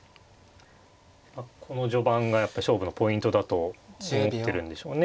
この序盤がやっぱり勝負のポイントだと思ってるんでしょうね。